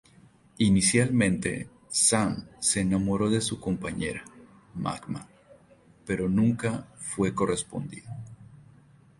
Inicialmente, Sam se enamoró de su compañera, Magma, pero nunca fue correspondido.